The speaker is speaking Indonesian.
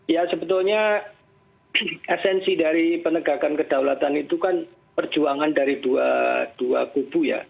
ya sebetulnya esensi dari penegakan kedaulatan itu kan perjuangan dari dua kubu ya